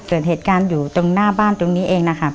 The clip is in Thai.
เกิดเหตุการณ์อยู่ตรงหน้าบ้านตรงนี้เองนะครับ